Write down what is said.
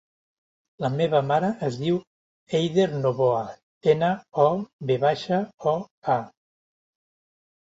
La meva mare es diu Eider Novoa: ena, o, ve baixa, o, a.